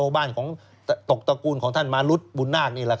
ว่าอู่บ้านของตกตะกูลของท่านมายุ๊ดบุ้นนากนี่แหล่ะ